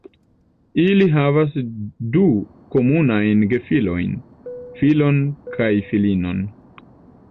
Ili havas du komunajn gefilojn, filon kaj filinon.